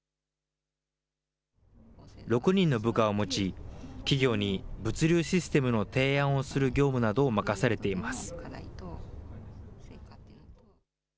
６人の部下を持ち、企業に物流システムの提案をする業務などを任されています。